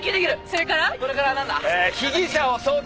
それから